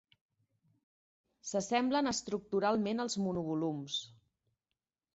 S'assemblen estructuralment als monovolums.